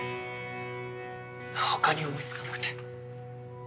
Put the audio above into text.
他に思いつかなくて